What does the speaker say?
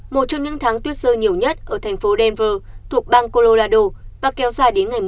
một trong những tháng tuyết rơi nhiều nhất ở thành phố denver thuộc bang colorado và kéo dài đến ngày một mươi năm tháng ba